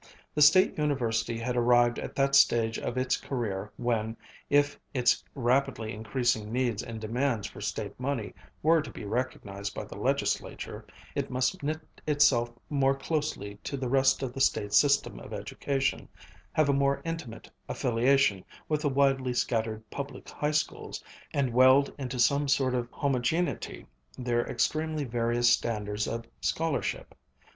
The State University had arrived at that stage of its career when, if its rapidly increasing needs and demands for State money were to be recognized by the Legislature, it must knit itself more closely to the rest of the State system of education, have a more intimate affiliation with the widely scattered public high schools, and weld into some sort of homegeneity their extremely various standards of scholarship.